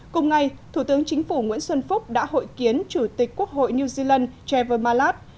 cùng ngày thủ tướng chính phủ nguyễn xuân phúc đã hội kiến chủ tịch quốc hội new zealand javer malat